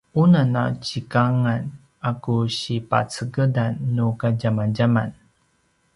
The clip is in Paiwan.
unem a zikangan a ku si pacegedan nu kadjamadjaman